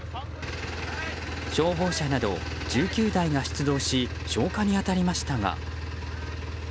消防車など１９台が出動し消火に当たりましたが。